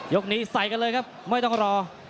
นี้ใส่กันเลยครับไม่ต้องรอ